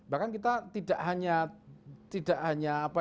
bahkan kita tidak hanya